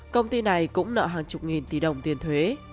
công ty này cũng nợ hàng chục nghìn tỷ đồng tiền thuế